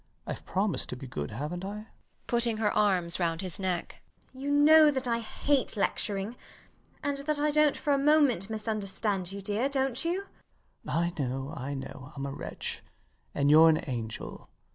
Ive promised to be good, havnt I? MRS DUDEBAT [putting her arms round his neck] You know that I hate lecturing, and that I dont for a moment misunderstand you, dear, dont you? LOUIS [fondly] I know. I know. I'm a wretch; and youre an angel.